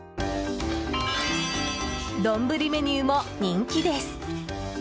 丼メニューも人気です。